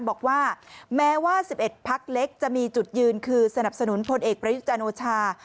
บอกว่าแม้ว่า๑๑พักเล็กจะมีจุดยืนคือสนับสนุนพลเอกประยุจันโอชา